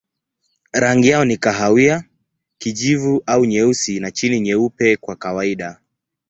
Rangi yao ni kahawia, kijivu au nyeusi na chini nyeupe kwa kawaida.